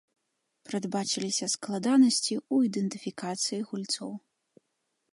Прадбачыліся складанасці ў ідэнтыфікацыі гульцоў.